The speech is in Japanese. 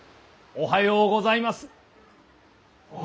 おはようございます。